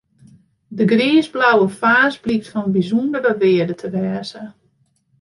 Dy griisblauwe faas blykt fan bysûndere wearde te wêze.